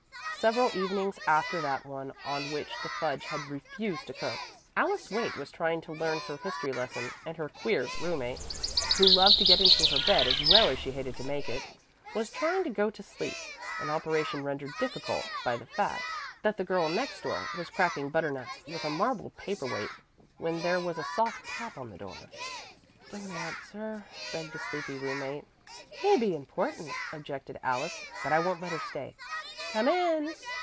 Several evenings after that one on which the fudge had refused to cook, Alice Waite was trying to learn her history lesson, and her "queer" roommate, who loved to get into her bed as well as she hated to make it, was trying to go to sleep an operation rendered difficult by the fact that the girl next door was cracking butternuts with a marble paper weight when there was a soft tap on the door. "Don't answer," begged the sleepy roommate. "May be important," objected Alice, "but I won't let her stay. Come in!"